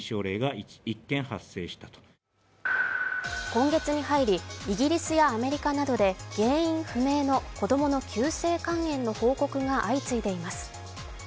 今月に入り、イギリスやアメリカなどで原因不明の子供の急性肝炎の報告が相次いでいます。